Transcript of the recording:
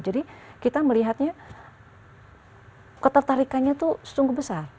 jadi kita melihatnya ketertarikannya itu sungguh besar